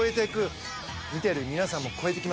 見てる皆さんも超えていきませんか？